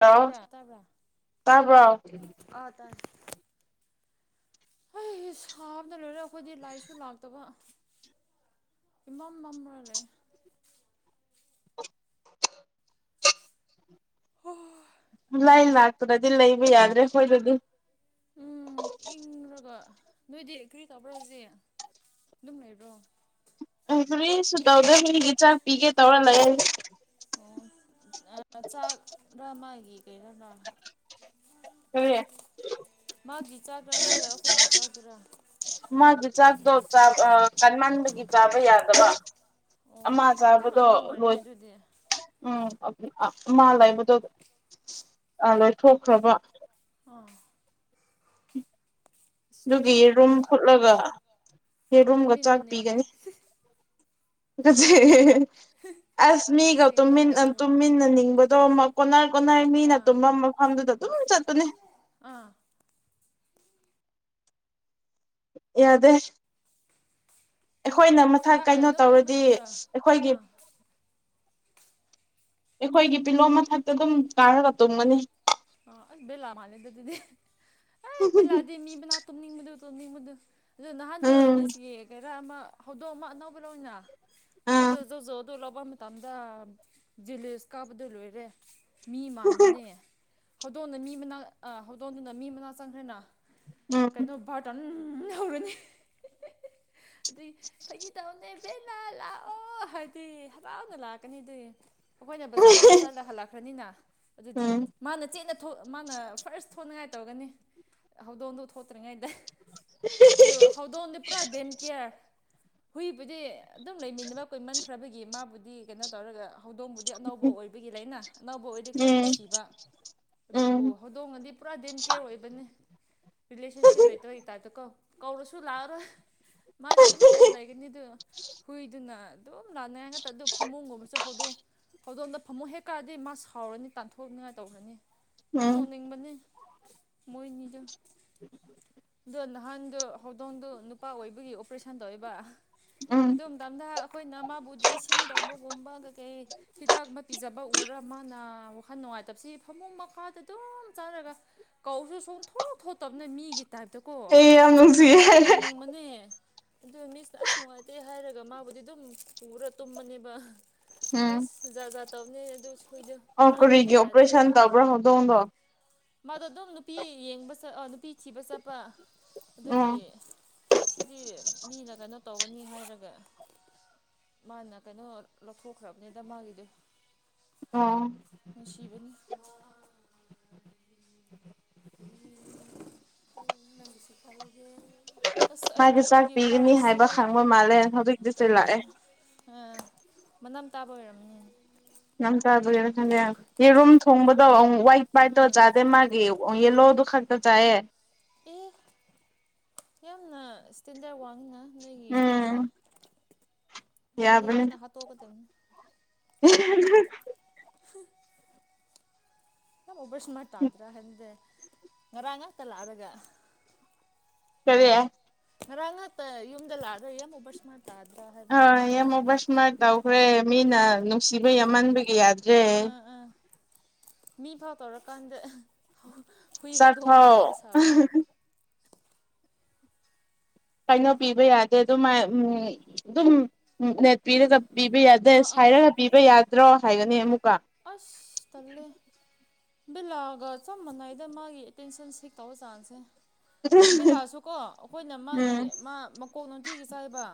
ꯍꯂꯥꯎ ꯇꯥꯕ꯭ꯔꯥ ꯇꯥꯕ꯭ꯔꯥ ꯀꯥꯔꯕ꯭ꯔꯣ [unintelligible] ꯑꯩ ꯍꯥꯞꯇ ꯂꯣꯏꯔꯦ ꯑꯩꯈꯣꯏꯗꯤ ꯂꯥꯏꯁꯨ ꯂꯥꯛꯇꯕ ꯏꯃꯝ ꯝꯔꯥ ꯂꯩ ꯂꯥꯏ ꯂꯥꯛꯄꯗꯗꯤ ꯂꯩꯕ ꯌꯥꯗ꯭ꯔꯦ ꯑꯩꯈꯣꯏꯗꯗꯤ ꯎꯝ ꯏꯪꯔꯒ ꯅꯣꯏꯗꯤ ꯀꯔꯤ ꯇꯥꯕ꯭ꯔꯣ ꯁꯤꯦ ꯑꯗꯨꯝ ꯂꯩꯕ꯭ꯔꯣ ꯁꯗꯥꯎꯗ ꯃꯤꯒꯤ ꯆ ꯄꯤꯒꯦ ꯇꯧꯔ ꯂꯩ ꯑꯣ ꯀꯦ ꯅꯥ ꯀꯔꯤ ꯃꯥꯥꯒꯤ ꯆꯥꯗ꯭ꯔꯥ ꯅꯠꯇ꯭ꯔꯒ ꯑꯩꯈꯣꯏꯒꯤ ꯆꯥꯗ꯭ꯔꯥ ꯃꯥꯒꯤ ꯆꯥꯛꯗꯣ ꯆꯥꯕ ꯀꯟ ꯃꯒꯤ ꯆꯥꯕ ꯌꯥꯗꯕ ꯑꯣ ꯑꯃꯥ ꯌꯥꯝ ꯆꯥꯕꯗꯣ ꯑꯉꯥꯡ ꯑꯣꯏꯔꯤꯅꯦ ꯂꯣꯏ ꯑꯗꯨꯗꯤ ꯎꯝ ꯃꯥ ꯂꯩꯕꯗꯣ ꯂꯣꯏꯊꯣꯛꯈ꯭ꯔꯕ ꯑꯥ ꯑꯁ ꯑꯗꯨꯒꯤ ꯅꯨꯡꯁꯤꯗ ꯔꯨꯝ ꯐꯨꯠꯂꯒ ꯍꯦꯔꯣꯝꯒ ꯆꯥꯛ ꯇꯨꯃꯤꯟꯅꯅꯤꯡꯉꯦ ꯄꯤꯒꯅꯤꯁ ꯑꯁ ꯃꯤꯒ ꯑꯁꯦꯡꯕ ꯍꯥꯏꯔꯒ ꯇꯨꯝꯃꯤꯟꯅꯅꯤꯡꯕꯗꯣ ꯀꯣꯟꯅ ꯀꯅꯥꯏ ꯃꯤꯅ ꯑꯥ ꯇꯨꯝꯐꯝ ꯃꯐꯝꯗꯨꯗ ꯑꯗꯨꯝ ꯆꯠꯇꯨꯅꯤ ꯑꯥ ꯌꯥꯗꯦ ꯑꯩꯈꯣꯏꯅ ꯃꯊꯛ ꯀꯅꯥꯒ ꯀꯩꯅꯣ ꯑꯗꯨꯝ ꯏꯌꯥꯝꯕ ꯇꯧꯔꯗꯤ ꯇꯨꯝꯕ꯭ꯔꯥ ꯑꯩꯈꯣꯏꯒꯤ ꯑꯥ ꯑꯩꯈꯣꯏꯒꯤ ꯄꯤꯂꯣꯝ ꯃꯊꯛꯇ ꯑꯗꯨꯝ ꯀꯥꯔꯒ ꯇꯨꯝꯒꯅꯤ ꯑ ꯑꯁ ꯕꯦꯂꯥ ꯃꯥꯜꯂꯦꯗ ꯑꯗꯨꯗꯤ ꯑꯩ ꯕꯦꯂꯥꯗꯤ ꯃꯤ ꯃꯅꯥ ꯇꯨꯝꯅꯤꯡꯕꯗꯨ ꯆꯣꯅꯤꯡꯕꯗꯨ ꯑꯗꯨꯗ ꯅꯍꯥꯟꯗꯣ ꯎꯝ ꯃꯤꯁꯀꯤ ꯀꯩꯔꯥ ꯑꯃ ꯍꯧꯗꯣꯛꯑ ꯑꯃ ꯑꯅꯧꯕ ꯂꯧꯅ ꯑꯥ ꯑꯗꯨꯗ ꯖ ꯖꯣ ꯑꯗꯨꯣ ꯂꯧꯕ ꯃꯇꯝꯗ ꯖꯤꯂꯤꯁ ꯀꯥꯞꯕꯗꯣ ꯂꯣꯏꯔꯦ ꯃꯤ ꯃꯥꯟꯕꯅꯦ ꯍꯧꯗꯣꯡꯅ ꯃꯤ ꯃꯅꯥ ꯍꯧꯗꯣꯡꯗꯨꯅ ꯃꯤ ꯃꯅꯥ ꯆꯪꯈ꯭ꯔꯦꯅ ꯎꯝ ꯀꯩꯅꯣ ꯚꯥꯔꯠ ꯍꯧꯔꯅꯤ ꯑꯗꯨꯩ ꯐꯩꯒꯤ ꯇꯅꯦ ꯍꯥꯕꯦꯟꯅ ꯂꯥꯛꯑꯣ ꯍꯥꯏꯗꯤ ꯍꯕꯥꯎꯅ ꯂꯥꯛꯀꯅꯤ ꯑꯗꯨ ꯑꯩꯈꯣꯏꯅ ꯕꯖꯥꯔꯒꯨꯝꯕ ꯆꯠꯂ ꯍꯜꯂꯛꯈ꯭ꯔꯅꯤꯅ ꯑꯗꯨꯗꯤ ꯎꯝ ꯃꯥꯅ ꯆꯦꯅ ꯃꯥꯅ ꯐꯥꯔꯁ ꯁꯣꯛꯅꯉꯥꯏ ꯇꯧꯔꯒꯅꯤ ꯍꯧꯗꯣꯡꯗꯣ ꯊꯣꯛꯇ꯭ꯔꯤꯉꯩꯗ ꯑꯗꯨ ꯍꯧꯗꯣꯟꯗꯤ ꯄꯨꯔꯥ ꯗꯦꯟ ꯀꯦꯌꯔ ꯍꯨꯏꯕꯨꯗꯤ ꯑꯗꯨꯝ ꯂꯩꯃꯤꯟꯅ ꯊꯕꯥꯛ ꯀꯣꯏꯃꯟꯈ꯭ꯔꯕꯒꯤ ꯃꯥꯕꯨꯗꯤ ꯀꯩꯅꯣ ꯇꯧꯔꯒ ꯍꯧꯗꯣꯡꯕꯨꯗꯤ ꯑꯅꯧꯕ ꯎꯝ ꯑꯣꯏꯕꯒꯤ ꯂꯩꯅ ꯑꯅꯧꯕ ꯑꯣꯏꯗꯤ ꯈꯔ ꯅꯨꯡꯁꯤꯕ ꯑꯗꯨꯕꯨ ꯎꯝ ꯍꯧꯗꯣꯡꯉꯗꯤ ꯄꯨꯔꯥ ꯗꯦꯝ ꯀꯦꯌꯔ ꯑꯣꯏꯕꯅꯤ ꯔꯤꯂꯦꯁꯟꯁꯤꯞ ꯂꯩꯇ꯭ꯔꯒꯤ ꯇꯥꯏꯞꯇ ꯀꯣ ꯀꯧꯔꯁꯨ ꯂꯥꯛꯑꯔꯣꯏ ꯃꯥꯗꯤ ꯇꯨꯃꯤꯟꯅꯟꯅ ꯂꯩꯒꯅꯤꯗꯨ ꯍꯨꯏꯗꯨꯅ ꯑꯗꯨꯝ ꯂꯥꯟꯅꯩ ꯍꯥꯏ ꯉꯥꯛꯛꯇ ꯑꯗꯨ ꯐꯃꯨꯡꯒꯨꯝꯕꯁꯨ ꯍꯧꯗꯣꯛꯎ ꯍꯧꯗꯣꯝꯗ ꯐꯃꯨ ꯍꯦꯛꯀꯑꯗꯤ ꯃꯥ ꯁꯥꯎꯔꯅꯤ ꯇꯥꯟꯊꯣꯛꯅꯤꯡꯉꯥꯏ ꯇꯧꯔꯅꯤ ꯌꯥꯝ ꯎꯝ ꯅꯧꯅꯤꯡꯕꯅꯤ ꯃꯣꯏꯅꯤꯗ ꯑꯗꯣ ꯅꯍꯥꯟꯗꯨ ꯍꯧꯗꯣꯡꯗꯨ ꯅꯨꯄꯥ ꯑꯣꯏꯕꯒꯤ ꯑꯣꯄꯔꯦꯁꯟ ꯇꯧꯔꯤꯕ ꯎ ꯑꯗꯨ ꯃꯇ ꯃꯇꯝꯗ ꯑꯩꯈꯣꯏꯅ ꯃꯥꯕꯨ ꯗ꯭ꯔꯦꯁꯤꯡ ꯇꯧꯕꯒꯨꯝꯕ ꯀꯩꯀꯩ ꯍꯤꯗꯥꯛꯨꯝꯕ ꯄꯤꯖꯕ ꯎꯔ ꯃꯥꯅ ꯑꯃꯈꯔ ꯅꯨꯡꯉꯥꯏꯇꯕꯁꯤ ꯐꯃꯨꯡ ꯃꯈꯥꯗ ꯑꯗꯨꯝ ꯆꯥꯔꯒ ꯀꯧꯁꯨ ꯁꯣꯡꯊꯣ ꯊꯣꯇꯕꯅ ꯃꯤꯒꯤ ꯇꯥꯏꯞꯇꯀꯣ ꯑꯩ ꯌꯥꯝ ꯅꯨꯡꯁꯤꯌꯦ ꯌꯥꯝ ꯅꯣꯡꯅꯤꯡꯕꯅꯦ ꯑꯗꯨ ꯃꯤꯁꯅ ꯑꯁ ꯅꯨꯡꯉꯥꯏꯇꯦ ꯍꯥꯏꯔꯒ ꯃꯥꯕꯨꯗꯤ ꯑꯗꯨꯝ ꯄꯨꯔ ꯇꯨꯝꯃꯅꯦꯕ ꯎꯝ ꯑꯦꯁ ꯖꯥꯠ ꯖꯥ ꯇꯧꯅꯦ ꯑꯗꯨ ꯁꯣꯏꯗ ꯑꯣ ꯄꯨꯔꯥ ꯀꯔꯤꯒꯤ ꯃꯤꯒꯤ ꯇꯥꯏꯞꯅ ꯑꯣꯄꯔꯦꯁꯟ ꯇꯕ꯭ꯔ ꯍꯗꯣꯣꯗꯣ ꯃꯥꯗꯣ ꯑꯗꯨꯝ ꯅꯨꯄꯤ ꯌꯦꯡꯕ ꯆꯠ ꯅꯨꯄꯤ ꯊꯤꯕ ꯆꯠꯄ ꯎꯝ ꯑꯗꯨꯒꯤ ꯁꯤꯗꯤ ꯃꯤꯅ ꯀꯩꯅꯣ ꯇꯧꯒꯅꯤ ꯍꯥꯏꯔꯒ ꯃꯥꯅ ꯀꯩꯅꯣ ꯂꯧꯊꯣꯛꯈ꯭ꯔꯕꯅꯤꯗ ꯃꯥꯒꯤꯗꯤ ꯑꯣ ꯕ ꯎꯝ ꯅꯪꯕꯤꯁꯤ ꯐꯜ ꯃꯥꯒꯤ ꯆꯥꯛ ꯄꯤꯒꯅꯤ ꯄꯔꯁꯁꯦ ꯍꯥꯏꯕ ꯈꯪꯕ ꯃꯥꯜꯂꯦ ꯍꯧꯖꯤꯛꯇꯤꯁꯨꯦ ꯂꯥꯛꯑꯦ ꯑ ꯃꯅꯝ ꯇꯥꯕ ꯑꯣꯏꯔꯝ ꯌꯥꯝ ꯆꯥꯗꯣꯏꯒꯤꯦꯅ ꯈꯟꯗꯦ ꯌꯦꯔꯨꯝ ꯊꯣꯡꯕꯗꯣꯨꯛ ꯋꯥꯏꯠ ꯋꯥꯏꯠꯇꯧ ꯑꯥ ꯆꯥꯗꯦ ꯃꯥꯒꯤ ꯌꯦꯜꯂꯣ ꯑꯗꯨꯗꯨ ꯈꯥꯛꯛꯇ ꯆꯥꯌꯦ ꯌꯥꯝꯅꯇꯗ ꯋꯥ ꯎꯝ ꯇꯨ ꯀꯗꯤ ꯉ ꯌꯥꯕꯅꯦ ꯅ ꯍꯥ ꯇꯣ ꯀꯗ [inaudible] ꯍ ꯀꯝ ꯑꯣꯕꯔ ꯁꯨꯃꯥꯏ ꯇꯥꯗ꯭ꯔꯥ ꯍꯥꯏꯟꯗꯦ ꯉꯔꯥꯡ ꯉꯥꯛꯇ ꯂꯥꯛꯑꯔꯒ ꯀꯔꯤ ꯉꯔꯥꯡ ꯉꯥꯛꯇ ꯌꯨꯝꯗ ꯂꯥꯛꯑꯒ ꯌꯦ ꯑꯃꯣꯕꯔ ꯏꯁꯃꯥꯔꯠ ꯍꯣꯏ ꯌꯥꯝꯃꯕ ꯁꯨꯃꯥꯏ ꯇꯧꯈ꯭ꯔꯦ ꯃꯤꯅ ꯅꯨꯡꯁꯤꯕꯩ ꯌꯥꯝꯃꯟꯕꯒꯤ ꯌꯥꯗ꯭ꯔꯦ ꯑꯥ ꯑꯥ ꯃꯤ ꯐꯥꯎ ꯇꯧꯔꯀꯥꯟꯗ ꯍꯨꯏ ꯍꯧꯗꯣꯡꯗꯤ ꯆꯐꯥꯎ ꯇꯧꯕ ꯁꯥꯕꯅꯤ ꯀꯩꯅꯣ ꯄꯤꯕ ꯌꯥꯗꯦ ꯑꯗꯨꯝ ꯑꯗꯨꯝ ꯅꯦꯠ ꯄꯤꯔꯒ ꯄꯤꯕ ꯌꯥꯗꯦ ꯑꯥ ꯁ ꯑꯥ ꯍꯥꯏꯔꯒ ꯄꯤꯕ ꯌꯥꯗ꯭ꯔꯣ ꯍꯥꯏꯒꯅꯤ ꯑꯃꯨꯛ ꯑꯁ ꯇꯦ ꯕꯤꯂꯥꯒ ꯆꯞ ꯃꯥꯟꯅꯩꯗ ꯃꯥꯒꯤ ꯑꯦꯇꯦꯟꯁꯟ ꯁꯤ ꯇꯧꯕ ꯆꯥꯡꯁꯦ ꯕꯤꯦꯂꯥꯁꯨ ꯀꯣ ꯑꯩꯈꯣꯏꯅ ꯃꯥꯒꯤ ꯎꯝ ꯃꯥ ꯃꯀꯣꯛ ꯅꯨꯡꯇꯤꯒꯤ ꯆꯥꯏꯕ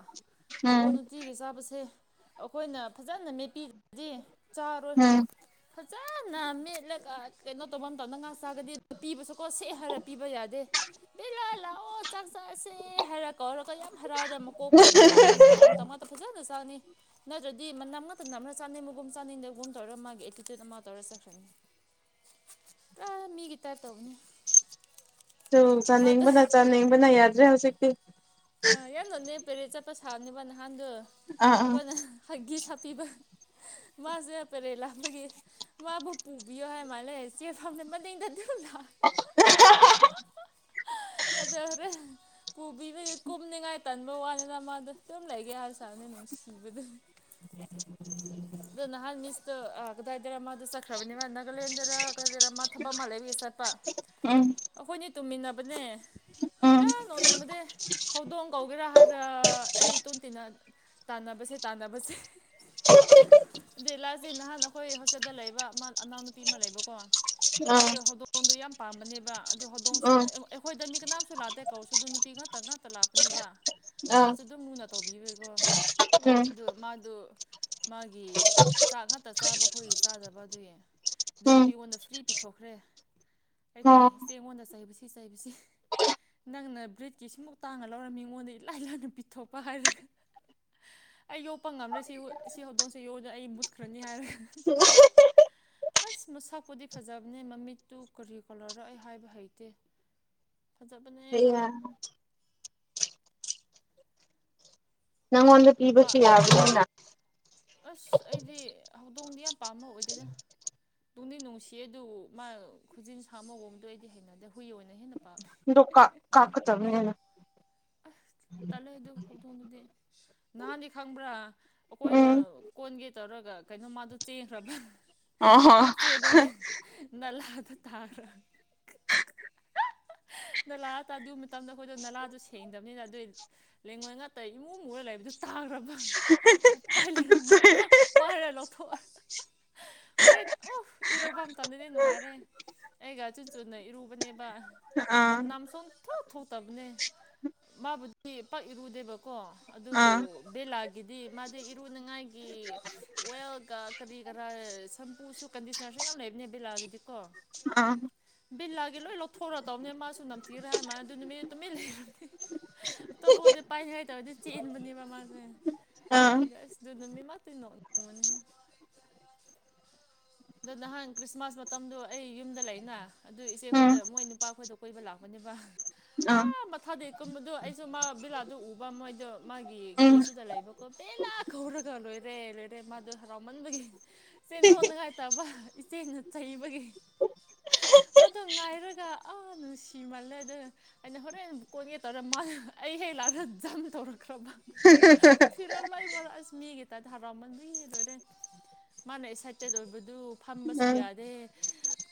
ꯃꯀꯣꯟ ꯎꯝ ꯅꯨꯡꯇꯤꯒꯤ ꯆꯥꯕꯁꯦ ꯑꯩꯈꯣꯏꯅ ꯐꯖꯅ ꯃꯦꯠꯄꯤꯗꯗꯤ ꯆꯥꯔꯣꯏ ꯎꯝ ꯐꯖꯅ ꯃꯦꯠꯂꯒ ꯀꯩꯅꯣ ꯇꯧꯕ ꯑꯇꯗꯪ ꯉꯥ ꯆꯥꯒꯗꯤ ꯄꯤꯕꯁꯨ ꯀꯁꯦ ꯍꯥꯔꯞꯄꯤꯕꯖꯥꯗ ꯂ ꯂꯥꯛꯑꯣ ꯆꯥꯛ ꯆꯥꯁꯦ ꯍꯥꯏꯔ ꯀꯧꯔꯒ ꯌꯥꯝ ꯍꯔꯥꯎꯔꯦ ꯃꯀꯣꯛ ꯄꯥꯏꯕꯤꯔ ꯑꯗꯨꯝ ꯇꯧꯐꯝ ꯑꯃ ꯇꯧꯃꯇ ꯐꯖꯂꯁꯤ ꯆꯥꯅꯤ ꯅꯠꯇ꯭ꯔꯗꯤ ꯅꯝꯅꯛꯇ ꯅꯝꯅ ꯆꯥꯅꯩ ꯃꯨꯒꯨꯝ ꯆꯥꯅꯤꯡꯗꯒꯨꯝ ꯇꯧꯔ ꯃꯥꯒꯤ ꯑꯦꯇꯤꯇ꯭ꯌꯨꯠ ꯑꯃ ꯇꯧꯔ ꯆꯠꯈ꯭ꯔꯅꯤ ꯑ ꯃꯤ ꯇ ꯇꯧꯅꯤ ꯇ ꯆꯥꯟ ꯍꯕꯅ ꯆꯥꯟ ꯍꯕꯅ ꯌꯥꯗ꯭ꯔꯦ ꯍꯧꯖꯤꯛꯇꯤ ꯑ ꯌꯥꯝ ꯂꯣꯅꯦ ꯄꯦꯔꯦꯠ ꯆꯠꯄ ꯁꯥꯕꯅꯦꯕ ꯅꯍꯥꯟꯗꯣ ꯑꯥ ꯑꯥ ꯑꯩꯈꯣꯏꯅ ꯍ ꯄꯤꯕ ꯃꯥꯁꯨ ꯄꯦꯔꯦ ꯂꯥꯞꯄꯒꯤ ꯃꯥꯕꯨ ꯄꯨꯕꯤꯌꯣ ꯍꯥꯏ ꯃꯥꯜꯂꯦ ꯆꯦ ꯐꯅ ꯃꯅꯤꯡꯗꯗꯤ [inaudible] ꯑꯗꯔꯦ ꯀꯣꯕꯤꯅ ꯀꯨꯝꯅꯤꯡꯉꯥꯏ ꯇꯟꯕ ꯋꯥꯅꯤꯅ ꯃꯥꯗꯣ ꯑꯗꯨꯝ ꯂꯩꯒꯦ ꯍꯥꯏꯔꯁꯨꯔꯅ ꯅꯨꯡꯁꯤꯕꯗ ꯎꯝ ꯑꯗꯨ ꯅ ꯍꯥꯟ ꯃꯅꯤꯁ ꯍꯥꯏꯒꯗꯗꯔꯃ ꯑꯗꯨ ꯁꯈ꯭ꯔꯕꯅꯤ ꯅꯒꯂꯦꯟꯗ꯭ꯔꯗꯔꯃ ꯊꯕ ꯃꯂꯦꯕꯤ ꯈꯠꯇ ꯎꯝ ꯑꯩꯈꯣꯏꯅꯤ ꯇꯨꯝꯃꯤꯟꯅꯕꯅꯦ ꯎꯝ ꯌꯥ ꯅꯧꯅꯤꯡꯕꯗꯤ ꯍꯧꯗꯣꯡ ꯀꯧꯒꯦꯔꯥ ꯍꯥꯏꯔ ꯑꯩ ꯇꯣꯟꯇꯤꯅ ꯇꯥꯟꯅꯕꯁꯦ ꯇꯥꯟꯅꯕꯁꯦ ꯑꯗꯂꯥꯥꯁꯦ ꯅꯍꯥꯟ ꯑꯩꯈꯣꯏ ꯍꯣꯁꯇꯦꯜꯗ ꯂꯩꯕ ꯑꯅꯥꯎ ꯅꯨꯨꯄꯤ ꯑꯃ ꯂꯩꯕꯀꯣ ꯑꯥ ꯃꯗꯨ ꯍꯧꯗꯗꯨ ꯌꯥꯝ ꯄꯥꯝꯕꯅꯦꯕ ꯑꯗꯨ ꯍꯧꯗꯣꯡꯁꯨ ꯎꯝ ꯑꯩꯈꯣꯏꯗ ꯃꯤ ꯀꯅꯥꯝꯁꯨ ꯂꯥꯇꯦ ꯀꯧꯁꯨ ꯑꯗꯨ ꯅꯨꯄꯤ ꯉꯥꯛꯇ ꯉꯥꯛꯇ ꯂꯥꯥꯛꯄꯅꯦꯕ ꯑꯥ ꯃꯥꯁꯨ ꯑꯗꯨꯝ ꯂꯨꯅ ꯇꯧꯕꯤꯌꯦꯀꯣ ꯎꯝ ꯑꯗꯨ ꯃꯥꯗꯣ ꯃꯥꯒꯤ ꯆꯥꯛ ꯉꯥꯛꯇ ꯆꯥꯕ ꯑꯩꯈꯣꯏꯒꯤ ꯆꯥꯗꯕ ꯑꯗꯨꯌꯦ ꯑꯗꯨ ꯎꯝ ꯅꯨꯄꯤ ꯑꯩꯉꯣꯟꯗ ꯐ꯭ꯔꯤ ꯄꯤꯊꯣꯛꯈ꯭ꯔꯦ ꯑꯩꯅ ꯑꯣ ꯏꯆꯦ ꯑꯩꯉꯣꯟꯗ ꯆꯩ ꯁꯤ ꯆꯩꯕꯁꯤ ꯅꯪꯅ ꯕ꯭ꯔꯤꯠꯀꯤ ꯁꯤꯃꯨꯛ ꯇꯥꯡꯉ ꯂꯧꯔꯝꯃꯤ ꯑꯩꯉꯣꯟꯗ ꯏꯂꯥꯏ ꯂꯥꯏꯅ ꯄꯤꯊꯣꯛꯄ ꯍꯥꯏꯔꯒ ꯑꯩ ꯌꯣꯛꯄ ꯉꯝꯗꯔꯦ ꯁꯤ ꯁꯤ ꯍꯧꯗꯣꯡꯁꯤꯦ ꯌꯣꯛꯎꯨꯗꯅ ꯑꯩ ꯃꯨꯠꯈ꯭ꯔꯅꯤ ꯍꯥꯏꯔꯣꯏ ꯑꯁ ꯃꯁꯛꯄꯨꯗꯤ ꯐꯖꯕꯅꯦ ꯃꯃꯤꯠꯇꯨ ꯀꯔꯤ ꯀꯣꯂꯔꯛꯑ ꯍꯥꯏꯕ ꯍꯩꯇꯦ [inaudible] ꯐꯖꯕꯅꯦ ꯑꯩꯌꯥ ꯃꯥꯗ ꯅꯪ ꯑꯣꯟ ꯅꯨꯄꯥ ꯄꯤꯕꯁꯨ ꯌꯥꯎꯗꯅ ꯑꯁ ꯑꯩꯗꯤ ꯍꯧꯗꯣꯡꯗꯤ ꯌꯥꯝ ꯄꯥꯝꯃ ꯑꯣꯏꯗꯣꯏꯅ ꯇꯨꯡꯗꯤ ꯅꯨꯡꯁꯤ ꯑꯗꯨ ꯃꯥ ꯈꯨꯖꯤꯟ ꯁꯥ ꯃꯒꯡꯗꯣ ꯑꯩꯗꯤ ꯍꯩꯅꯗꯦ ꯍꯨꯏ ꯑꯣꯏꯅ ꯍꯦꯟꯅ ꯄꯥꯝ ꯂ ꯀꯥ ꯀꯥꯛ ꯆ ꯑꯃꯅꯤꯅꯦꯅ ꯇꯠꯂꯦ ꯑꯗꯨ ꯍꯧꯗꯣꯡꯗꯨꯗꯤ ꯅꯍꯥꯟꯗꯤ ꯈꯪꯕ꯭ꯔꯥ ꯑꯩꯈꯣꯏꯅ ꯎꯝ ꯀꯣꯟꯒꯦ ꯇꯧꯔꯒ ꯀꯩꯅꯣ ꯃꯥꯗꯣ ꯆꯦꯟꯈ꯭ꯔꯕ ꯑꯣꯍꯣ ꯍꯦꯛ ꯆꯦꯂꯒ ꯅꯂꯗ ꯇꯥꯔ꯭ꯔ ꯅꯂꯥ ꯑ ꯑꯗꯨ ꯃꯇꯝꯗ ꯑꯩꯈꯣꯏꯗꯣ ꯅꯂꯥꯗꯣ ꯁꯦꯡꯗꯕꯅꯤꯅ ꯑꯗꯨꯏ ꯂꯩꯦꯡꯉꯣꯏ ꯉꯥꯛꯇ ꯏꯃꯨꯡꯃꯨꯔ ꯂꯩꯕꯗꯨ ꯇꯥꯈ꯭ꯔꯕ ꯎ ꯄꯥꯏ ꯂꯩꯦꯅ ꯃꯪꯍꯥꯛ ꯄꯥꯏꯔ ꯂꯧ ꯍꯣꯔꯦꯟ ꯑꯣꯐ ꯏꯔꯨꯕꯝ ꯆꯟꯗꯗꯤ ꯅꯨꯡꯉꯥꯏꯔꯦ ꯑꯩꯒ ꯆꯤꯟ ꯆꯨꯅ ꯏꯔꯨꯕꯅꯦꯕ ꯑꯥ ꯃꯝꯁꯣꯟ ꯊꯣꯛ ꯊꯣꯛꯇꯕꯅꯦ ꯃꯥꯕꯨꯗꯤ ꯄꯛ ꯏꯔꯨꯗꯦꯕꯀꯣ ꯑꯥ ꯑꯗꯨꯕꯨ ꯕꯦꯂꯥꯒꯤꯗꯤ ꯃꯥꯗꯤ ꯏꯔꯨꯅꯤꯉꯥꯏꯒꯤ ꯑꯣꯏꯜꯒ ꯀꯔꯤ ꯀꯔꯥ ꯁꯝꯄꯨꯁꯨ ꯀꯟꯗꯤꯁꯅꯔꯁꯨ ꯌꯥꯝ ꯂꯩꯕꯅꯦ ꯕꯦꯂꯥꯒꯤꯗꯤ ꯀꯣ ꯑ ꯕꯤꯜꯂꯥꯒꯤ ꯂꯣꯏ ꯂꯧꯊꯣꯔꯗꯧꯅꯦ ꯃꯥꯁꯨ ꯅꯝꯊꯤꯔ ꯍꯥꯏ ꯃꯥꯅ ꯑꯗꯨ ꯅꯨꯃꯤꯠ ꯇꯨꯃꯤꯟꯅ ꯂꯩꯈ꯭ꯔꯗꯤ ꯑꯇꯣꯞꯄꯗꯤ ꯄꯥꯏꯅꯤꯡꯉꯥꯏꯇꯧꯔꯗꯤ ꯆꯦꯛ ꯏꯟꯕꯅꯦꯕ ꯃꯥꯁꯦ ꯑꯥ ꯁ ꯑꯗꯨꯅꯃꯤꯃ ꯇꯅ [unintelligible] ꯑꯗꯣ ꯅꯍꯥꯟ ꯈ꯭ꯔꯤꯁꯃꯥꯁ ꯃꯇꯝꯗꯣ ꯑꯩ ꯌꯨꯝꯗ ꯂꯩꯅ ꯑꯗꯨ ꯏꯆꯦ ꯎꯝ ꯈꯣꯏꯗ ꯃꯣꯏ ꯅꯨꯄꯥ ꯈꯣꯏꯗ ꯀꯣꯏꯕ ꯂꯥꯛꯄꯅꯤ ꯅꯨꯅꯤꯄꯥ ꯑꯥ ꯃꯊꯥꯗꯤ ꯀꯨꯝꯕꯗꯣ ꯑꯩꯁꯨ ꯃꯥ ꯕꯤꯂꯥꯗꯗꯨ ꯎꯕ ꯃꯣꯏꯗꯣ ꯃꯥꯒꯤ ꯎꯝ ꯀꯦꯁꯇꯨꯗ ꯂꯩꯕꯀꯣ ꯄꯦ ꯆ ꯈꯧꯔꯒ ꯂꯣꯏꯔꯦ ꯂꯣꯏꯔꯦ ꯃꯥꯗꯣ ꯍꯔꯥꯎꯃꯟꯕꯒꯤ ꯆꯦꯟꯊꯣꯡꯅꯉꯥꯏ ꯠꯇꯕ ꯏꯆꯦꯅ ꯆꯩꯕꯒꯤ [inaudible] ꯃꯥꯗꯣ ꯉꯥꯏꯔꯒ ꯑꯥ ꯅꯨꯡꯁꯤꯃꯜꯂꯦꯗ ꯑꯩꯅ ꯍꯣꯔꯦꯟ ꯑꯃ ꯀꯣꯟꯒꯦ ꯇꯧꯔ ꯃꯥ ꯑꯩ ꯂꯔꯖꯥ ꯇꯧꯔꯈ꯭ꯔꯕ ꯐꯤꯔꯣ ꯂꯩ ꯃꯔ ꯃꯤꯇ ꯊꯔꯥꯎꯃꯟꯗꯔꯣꯏꯔꯦ ꯃꯥꯅ ꯑꯦꯛꯁꯥꯏꯠꯇꯦꯠ ꯑꯣꯏꯕꯗꯨ ꯐꯝꯕꯁꯨ ꯎꯝ ꯌꯥꯗꯦ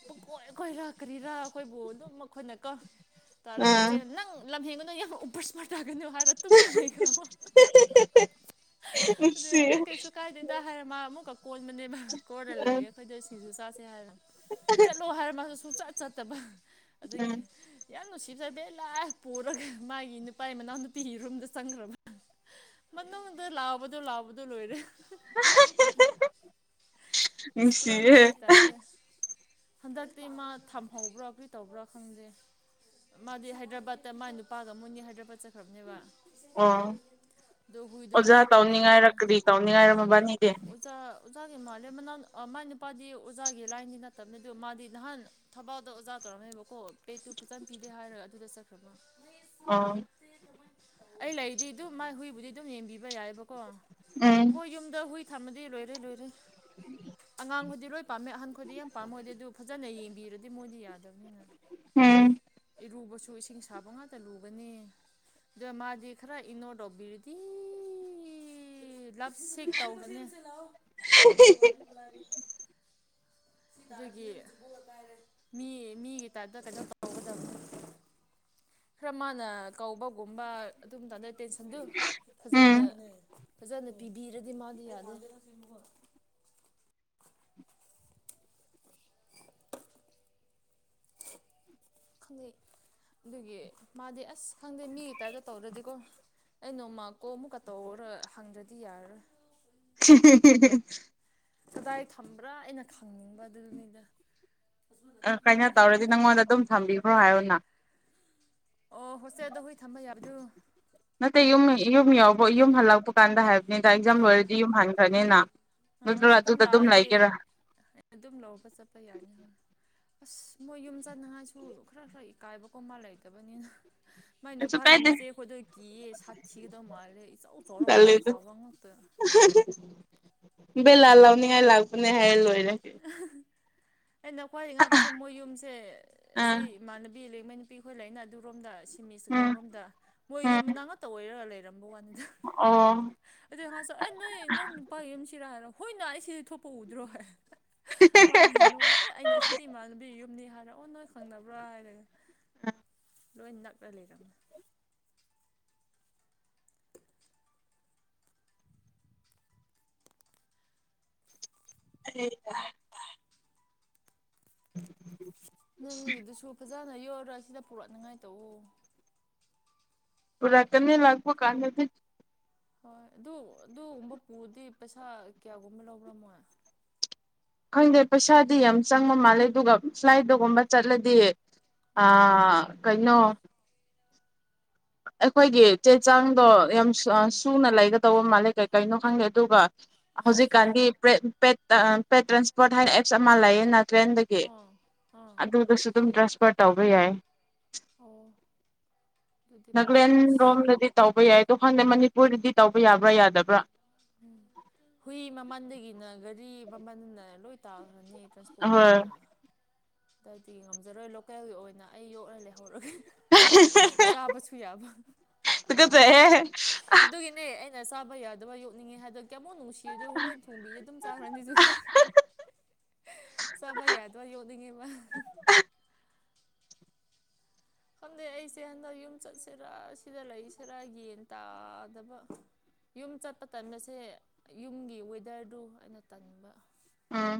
ꯄꯀꯣꯏ ꯑꯩꯈꯣꯏ ꯂꯥꯛꯀꯔꯤꯔꯥ ꯑꯩꯈꯣꯏꯕꯨ ꯑꯗꯨꯝ ꯑꯩꯣꯏꯅ ꯀꯧ ꯇꯧꯔꯒ ꯏꯆꯦ ꯑꯥ ꯅꯪ ꯂꯝꯍꯦꯟꯒꯅꯣ ꯌꯥꯝ ꯎꯄꯔ ꯏꯁꯃꯔ ꯇꯥꯒꯅꯤꯣ ꯍꯥꯏꯔꯣ ꯇꯨꯝꯃꯤꯟꯅ ꯂꯩꯈ꯭ꯔꯕ [inaudible] ꯑꯗꯨ ꯑꯩꯅ ꯀꯩꯁꯨ ꯀꯥꯏꯗꯦꯗ ꯍꯥꯏꯔ ꯃꯥ ꯑꯃꯨꯛꯀ ꯀꯣꯟꯕꯅꯦꯕ ꯀꯣꯟꯔ ꯑꯥ ꯂꯩꯦ ꯑꯩꯈꯣꯏꯗ ꯁꯤꯡꯁꯨ ꯆꯥꯥꯁꯦ ꯍꯥꯏꯔꯦ ꯆꯠꯂꯣ ꯍꯥꯏꯔꯃꯁꯨ ꯁꯨꯡꯆꯠ ꯆꯠꯇꯕ ꯎꯝ ꯑꯗꯨꯗꯒꯤ ꯌꯥꯝ ꯅꯨꯡꯁꯤꯖꯕ ꯂꯥꯏ ꯄꯨꯔꯒ ꯃꯥꯒꯤ ꯅꯨꯄꯥ ꯃꯅꯥꯎ ꯅꯨꯄꯤꯒꯤ ꯔꯨꯝꯗ ꯆꯪꯈ꯭ꯔꯕ ꯃꯅꯨꯡꯗ ꯂꯥꯎꯕꯗꯣ ꯂꯥꯎꯕꯗꯣ ꯂꯣꯏꯔꯦ ꯑꯁ ꯄꯨꯔꯥ ꯁꯤ ꯃꯤ ꯇꯥꯏꯞꯇ ꯍꯟꯗꯛꯇꯤ ꯃꯥ ꯊꯝꯍꯧꯕ꯭ꯔꯥ ꯀꯤ ꯇꯧꯕ꯭ꯔꯥ ꯈꯪꯗꯦ ꯃꯥꯗꯤ ꯍꯥꯏꯗ꯭ꯔꯕꯥꯠꯇ ꯃꯥꯥꯏ ꯅꯨꯄꯥꯒ ꯃꯨꯅꯤ ꯍꯥꯏꯗ꯭ꯔꯕꯥꯠ ꯆꯠꯈ꯭ꯔꯕꯅꯦꯕ ꯑ ꯑꯗꯣ ꯍꯨꯏꯗꯣ ꯑꯣꯖꯥ ꯀꯃꯥꯏꯅ ꯇꯧꯕ꯭ꯔꯥ ꯇꯧꯅꯤꯡꯉꯥꯏꯔ ꯈꯟꯅ ꯀꯔꯤ ꯇꯧꯅꯤꯡꯉꯥꯏꯔꯣ ꯃꯕꯥꯅꯤꯅꯦ ꯑꯣꯗꯒ ꯃꯥꯂꯦ ꯃꯅ ꯑ ꯃꯥꯅꯦꯄꯥꯗꯤ ꯑꯣꯖꯥꯒꯤ ꯂꯥꯏꯟꯗꯤ ꯅꯠꯇꯕꯅ ꯑꯗꯨ ꯃꯥꯗꯤ ꯅꯍꯥꯟ ꯊꯕꯥꯛꯗ ꯑꯣꯖꯥ ꯇꯧꯔꯝꯃꯦꯕꯀꯣ ꯄꯦꯇꯨ ꯐꯆꯥꯟ ꯄꯤꯗꯦ ꯍꯥꯏꯔ ꯑꯗꯨꯗ ꯆꯠꯈ꯭ꯔꯃ ꯑꯥ ꯑꯩ ꯂꯩꯗꯤ ꯑꯗꯨꯝ ꯃꯥꯏ ꯍꯨꯏꯕꯨꯗꯤ ꯑꯗꯨꯝ ꯌꯦꯡꯕꯤꯕ ꯌꯥꯏꯕꯀꯣ ꯎꯝ ꯍꯣꯏ ꯌꯨꯝꯗ ꯍꯨꯏ ꯊꯝꯃꯗꯤ ꯂꯣꯏꯔꯦ ꯂꯣꯏꯔꯦ ꯑꯉꯥꯡꯈꯣꯏꯗꯤ ꯂꯣꯏ ꯄꯥꯝꯃꯦ ꯑꯍꯟꯈꯗꯤ ꯌꯥꯝ ꯄꯥꯝꯃꯣꯏꯗꯤ ꯑꯗꯨ ꯐꯖꯅ ꯌꯦꯡꯕꯤꯔꯗꯤ ꯃꯣꯏꯗꯤ ꯌꯥꯗꯕꯅꯤꯅ ꯎꯝ ꯏꯔꯨꯕꯁꯨ ꯏꯁꯤꯡ ꯁꯥꯕ ꯉꯥꯛꯇ ꯂꯨꯒꯅꯤ ꯃꯥꯖꯤ ꯈꯔ ꯏꯟꯅꯣ ꯗꯕꯤꯔꯗꯤ ꯂꯕ ꯁꯦ ꯇꯧꯒ ꯑꯗꯨꯒꯤ ꯃꯤ ꯃꯤꯒꯤ ꯇꯥꯏꯇ ꯀꯩꯅꯣ ꯇ [inaudible] ꯈꯔ ꯃꯥꯅ ꯀꯧꯕꯒꯨꯝꯕ ꯑꯗꯨꯝꯇꯥꯗ ꯇꯦꯟꯁꯟꯗꯨ ꯎꯝ ꯐꯖꯅ ꯐꯖꯅ ꯄꯤꯕꯤꯔꯗꯤ ꯃꯥꯗꯤ ꯌꯥꯅꯤ [unintelligible] ꯈꯪꯗꯩ ꯑꯗꯨꯒꯤ ꯃꯥꯗꯤ ꯑꯁ ꯈꯪꯗꯦ ꯃꯤ ꯂꯩꯇꯒ ꯇꯧꯔꯗꯤꯀꯣ ꯑꯩ ꯅꯣꯡꯃ ꯀꯣ ꯑꯃꯨꯛꯀ ꯇꯧꯔ ꯍꯪꯗ꯭ꯔꯗꯤ ꯌꯥꯔꯔꯣꯏ [unintelligible] ꯀꯗꯥꯏ ꯊꯝꯕ꯭ꯔꯥ ꯑꯩꯅ ꯈꯪꯅꯤꯡꯕ ꯑꯗꯨꯅꯤꯗ ꯑ ꯀꯩꯅꯣ ꯇꯧꯔꯗꯤ ꯅꯪꯉꯣꯟꯗ ꯑꯗꯨꯝ ꯊꯝꯕꯤꯈ꯭ꯔꯣ ꯍꯥꯏꯌꯅ ꯑꯣ ꯍꯣꯁꯦ ꯑ ꯑꯗꯨꯣ ꯍꯨꯏ ꯊꯝꯕ ꯌꯥꯔꯁꯨ ꯅꯠꯇꯦ ꯌꯨꯝ ꯌꯨꯝ ꯌꯎꯕ ꯌꯨꯝ ꯍꯜꯂꯛꯄ ꯀꯥꯟꯗ ꯍꯥꯏꯕꯅꯤꯗ ꯑꯦꯛꯖꯥꯝ ꯂꯣꯏꯔꯗꯤ ꯌꯨꯝ ꯍꯟꯈ꯭ꯔꯅꯤꯅ ꯑꯥ ꯑꯥ ꯅꯠꯇ꯭ꯔꯒ ꯌꯨꯝ ꯑꯗꯨꯗ ꯑꯗꯨꯝ ꯂꯥꯛꯑꯗꯤ ꯂꯩꯒꯦꯔꯥ ꯑꯗꯨꯝ ꯂꯧꯕ ꯆꯠꯄ ꯌꯥꯅꯤꯣꯏ ꯑꯁ ꯃꯣꯏ ꯌꯨꯝ ꯆꯠꯅꯉꯥꯏꯁꯨ ꯈꯔ ꯈꯔ ꯏꯀꯥꯏꯕ ꯀꯨꯝꯕ ꯂꯩꯇꯕꯅꯤꯅ ꯃꯥꯏ ꯀꯩꯁꯨ ꯅꯨꯄꯥꯒꯤ ꯀꯥꯏꯗꯦ ꯃꯆꯦ ꯑꯩꯈꯣꯏꯗ ꯀꯤꯌꯦ ꯁꯥꯊꯤꯒꯗꯧ ꯃꯥꯜꯂꯦ ꯏꯆꯧ ꯆꯥꯎꯧꯔ ꯋꯥꯡ ꯆꯥꯕ ꯉꯥꯛꯇ ꯍ ꯂꯥꯜ ꯂꯥꯎꯅꯤꯡꯉꯥꯏ ꯂꯥꯛꯄꯅꯦ ꯍꯥꯏꯌꯦ ꯂꯣꯏꯔꯒꯦ ꯑꯩꯅ ꯈ꯭ꯋꯥꯏꯗꯒꯤ ꯉꯥꯄꯁꯦ ꯃꯣꯏ ꯌꯨꯝꯁꯦ ꯑꯥ ꯑꯁꯤ ꯏꯃꯥꯟꯅꯕꯤ ꯂꯦꯛꯉꯩ ꯅꯨꯄꯤ ꯑꯩꯈꯣꯏ ꯂꯩꯅ ꯑꯗꯨꯔꯣꯝꯗ ꯁꯤꯃꯤꯁ ꯎꯝ ꯒ꯭ꯔꯥꯎꯟꯔꯣꯝꯗ ꯃꯣꯏ ꯎꯝ ꯌꯨꯝꯅꯥ ꯉꯛꯇ ꯑꯣꯏꯔ ꯂꯩꯔ ꯋꯥ ꯑꯣ ꯑꯗꯨ ꯉ ꯑꯦ ꯅꯣꯏ ꯅꯪ ꯅꯨ ꯄꯥꯏ ꯑꯃꯁꯤꯔꯥꯔꯣ ꯍꯣꯏꯅ ꯑꯩ ꯁꯤꯗꯤ ꯊꯣꯛꯄ ꯎꯗ꯭ꯔꯣ ꯃꯥꯅ ꯅꯔꯣꯏ ꯑꯦ ꯑꯩꯅ ꯁꯤꯗꯤ ꯏꯃꯥꯟꯅꯕꯤ ꯌꯨꯝꯅꯤ ꯍꯥꯏ ꯑꯣ ꯅꯣꯏ ꯈꯪꯅꯕ꯭ꯔꯥ ꯍꯥꯏꯔꯒ ꯂꯗꯥꯥꯛ ꯄ ꯂꯩꯀ ꯑꯗꯨꯔꯀ ꯎ ꯅꯪꯒꯤꯗꯨꯁꯨ ꯐꯖꯅ ꯌꯣꯜꯂ ꯁꯤꯗ ꯄꯨꯔꯛꯅꯤꯡꯉꯥꯏ ꯇꯧꯎ ꯄꯨꯔꯇꯅꯤ ꯂꯥꯛꯄꯣ ꯀꯥꯟꯗꯗꯤ ꯍꯣꯏ ꯑꯗꯨ ꯑꯗꯨꯒꯨꯝꯕ ꯄꯨꯗꯤ ꯄꯩꯁꯥ ꯀꯌꯥꯒꯨꯝꯕ ꯂꯧꯕ꯭ꯔꯝꯃꯣ ꯈꯪꯗꯦ ꯄꯩꯁꯥꯗꯤ ꯌꯥꯝ ꯆꯪꯕ ꯃꯥꯜꯂꯦ ꯑꯗꯨꯒ ꯁ꯭ꯂꯥꯏꯠꯇꯒꯨꯝꯕ ꯆꯠꯂꯗꯤ ꯎꯝ ꯑꯥ ꯀꯩꯅꯩꯅꯣ ꯑꯩꯈꯣꯏꯒꯤ ꯆꯦ ꯆꯥꯡꯗꯣ ꯌꯥꯝ ꯎꯝ ꯁꯨꯅ ꯂꯩꯒꯗ ꯇꯧꯕ ꯃꯥꯂꯦ ꯀꯩ ꯀꯩꯅꯣ ꯈꯪꯗꯦ ꯑꯗꯨꯒ ꯍꯧꯖꯤꯛꯀꯥꯟꯒꯤ ꯄꯦꯠ ꯇ꯭ꯔꯥꯟꯁꯄꯣꯔꯠ ꯍꯥꯏꯅ ꯄꯁ ꯑꯃ ꯂꯩꯌꯦꯅ ꯇ꯭ꯔꯦꯟꯗꯒꯤ ꯑꯥ ꯑꯥ ꯑꯗꯨꯗꯁꯨ ꯑꯗꯨꯝ ꯇ꯭ꯔꯥꯟꯁꯐꯔ ꯇꯧꯕ ꯌꯥꯏ ꯑꯣ ꯑꯗꯨꯗꯤ ꯐꯩ ꯑꯗꯨ ꯅꯥꯒꯥꯂꯦꯟ ꯑꯁ ꯔꯣꯝꯗꯗꯤ ꯇꯧꯕ ꯌꯥꯏ ꯑꯗꯣ ꯍꯪꯗꯦ ꯃꯅꯤꯄꯨꯔꯗꯗꯤ ꯇꯧꯕ ꯌꯥꯕ꯭ꯔꯥ ꯌꯥꯗꯕ꯭ꯔꯥ ꯎꯝ ꯍꯨꯏ ꯃꯃꯜꯗꯒꯤꯅ ꯒꯥꯔꯤ ꯃꯃꯜꯅ ꯂꯣꯏ ꯇꯥꯈ꯭ꯔꯅꯤ ꯍꯣꯏ ꯇ꯭ꯔꯥꯟꯁꯄꯣꯔꯠꯇꯒꯤꯅ ꯗꯤ ꯉꯝꯖꯔꯣꯏ ꯂꯣꯀꯦꯜꯒꯤ ꯑꯣꯏꯅ ꯑꯩ ꯌꯣꯛꯂꯂꯦ ꯍꯧꯔꯒ ꯆꯥꯕꯁꯨ ꯌꯥꯕ ꯇꯨꯀꯠꯆꯩꯍꯦ ꯑꯗꯨꯒꯤꯅꯦ ꯑꯩꯅ ꯆꯥꯕ ꯌꯥꯗꯕ ꯌꯣꯛꯅꯤꯡꯉꯤ ꯍꯥꯏꯒꯤ ꯀꯃꯨꯛ ꯅꯨꯡꯁꯤꯗ ꯍꯨꯔꯦꯟ ꯊꯣꯡꯕꯤꯁꯦ ꯑꯗꯨꯝ ꯆꯥꯈ꯭ꯔꯅꯤꯁꯨ ꯆꯕ ꯌꯥꯗꯋꯥ ꯌꯣꯅꯤꯡꯉꯦꯕ ꯈꯪꯗꯦ ꯑꯩꯁꯦ ꯍꯟꯗꯛ ꯌꯨꯝ ꯆꯠꯁꯤꯔꯥ ꯁꯤꯗ ꯂꯩꯁꯤꯔꯥ ꯌꯦꯟ ꯇꯥꯗꯕ ꯌꯨꯝ ꯆꯠꯄ ꯇꯟꯕꯁꯦ ꯌꯨꯝꯒꯤ ꯋꯦꯗꯔꯗꯨ ꯑꯩꯅ ꯇꯟꯕ ꯑꯥ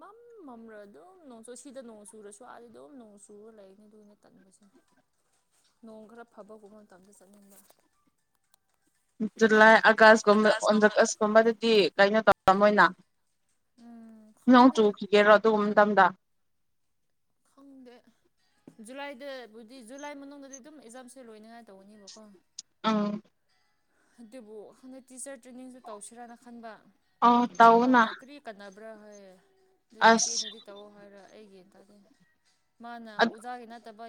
ꯃꯝ ꯃꯝꯔ ꯑꯗꯨꯝ ꯅꯣꯡ ꯆꯨ ꯁꯤꯗ ꯅꯣꯡ ꯆꯨꯔꯁꯨ ꯑꯗꯤ ꯑꯗꯨꯝ ꯅꯣꯡ ꯆꯨꯔꯒ ꯂꯩꯅꯤ ꯑꯗꯨꯩꯅ ꯇꯟꯕꯁꯦ [unintelligible] ꯅꯣꯡ ꯈꯔ ꯐꯕ ꯍꯕ ꯃꯇꯝꯗ ꯆꯠꯅꯤꯡꯕ ꯖꯨꯂꯥꯏ ꯑꯥꯒꯁꯀꯨꯝꯕ ꯑꯣꯖꯒꯁꯀꯨꯝꯕꯗꯗꯤ ꯀꯩꯅꯣ ꯇꯧꯔ ꯃꯣꯏꯅ ꯎꯝ ꯅꯣꯡ ꯈꯪꯗꯦ ꯆꯨꯈꯤꯒꯦꯔꯣ ꯑꯗꯨ ꯏꯝꯊꯝꯗ ꯈꯪꯗꯦ ꯖꯨꯂꯥꯏꯗꯕꯨꯗꯤ ꯖꯨꯂꯥꯏ ꯃꯅꯨꯡꯗꯗꯤ ꯑꯗꯨꯝ ꯑꯦꯛꯖꯥꯝꯁꯦ ꯂꯣꯏꯅꯉꯥꯏ ꯇꯧꯒꯅꯦꯕꯀꯣ ꯑꯥ ꯑꯗꯨꯕꯨ ꯍꯟꯗꯛ ꯇꯤꯆꯔ ꯇ꯭ꯔꯦꯅꯤꯡꯁꯨ ꯇꯧꯁꯤꯔꯥꯅ ꯈꯟꯕ ꯑꯣ ꯇꯧꯅ ꯈꯕ꯭ꯔꯥ ꯍꯣꯏꯌꯦꯦ ꯑꯗꯨ ꯑꯁ ꯏꯆꯦꯅꯗꯤ ꯇꯧꯑꯣ ꯍꯥꯏꯔ ꯑꯩ ꯌꯦꯒꯟ ꯇꯥꯗꯦ ꯃꯥꯅ ꯑꯣꯖꯥꯒꯤ ꯅꯠꯇꯕ